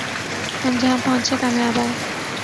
ہم جہاں پہنچے کامیاب آئے